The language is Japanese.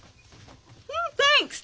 サンクス。